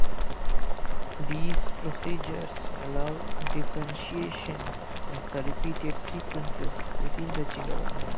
These procedures allow differentiation of the repeated sequences within the genome.